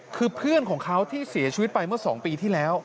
คือเพื่อนของเขาที่เสียชีวิตไปเมื่อ๒ปีที่แล้ว